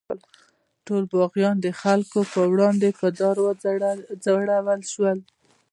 ټول باغیان د خلکو په وړاندې په دار وځړول شول.